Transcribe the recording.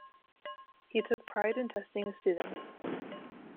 He took pride in testing his students.